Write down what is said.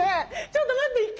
ちょっと待って！